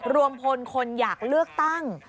รวมพลคนอยากเลือกตั้ง